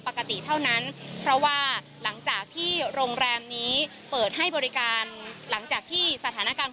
ปกติเท่านั้นเพราะว่าหลังจากที่โรงแรมนี้เปิดให้บริการหลังจากที่สถานการณ์